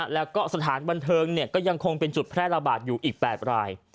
แล้วก็สถานบันเทิงก็ยังคงเป็นจุดแพร่ระบาดอยู่อีก๘ราย